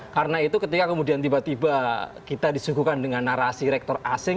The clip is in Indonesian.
karena itu ketika kemudian tiba tiba kita disuguhkan dengan narasi rektor asing